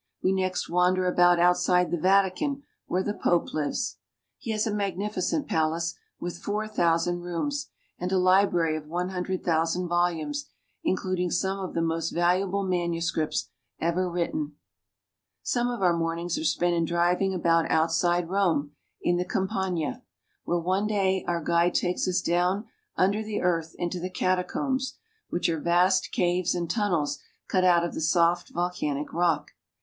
We next wander about outside the Vatican, where the Pope lives. He has a magnificent palace, with four thousand rooms, and a library of one hundred thousand volumes, including some of the most valuable manuscripts ever written. 4i6 ITALY. "We visit Saint Peter's Cathedral." Some of our mornings are spent in driving about outside Rome, in the Campagna; where one day our guide takes us down under the earth into the Catacombs, which are vast caves and tunnels cut out of the soft volcanic rock.